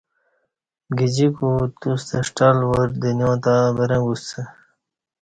گجیکو توستہ ݜٹل وار دنیا تہ برنگ گوسہ